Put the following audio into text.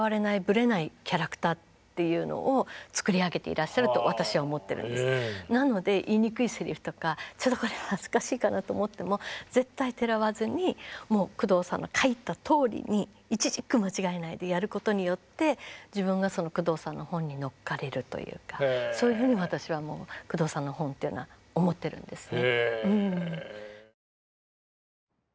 やっぱり自分で一つ心がけているのはなので言いにくいセリフとかちょっとこれは恥ずかしいかなと思っても絶対てらわずにもう宮藤さんが書いたとおりに一字一句間違えないでやることによって自分が宮藤さんの本に乗っかれるというかそういうふうに私は宮藤さんの本というのは思ってるんですね。